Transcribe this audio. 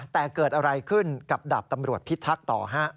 แต่เกิดอะไรขึ้นกับดาบตำรวจพิทักษ์ต่อฮะ